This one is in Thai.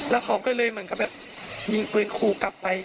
แล้วเขาก็เลยเหมือนกับแบบยิงปืนขู่กลับไป